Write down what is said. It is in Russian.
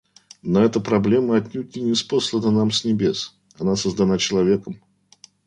Но эта проблема отнюдь не ниспослана нам с небес; она создана человеком.